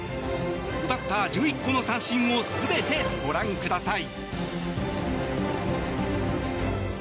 奪った１１個の三振を全てご覧ください。